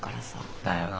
だよなあ。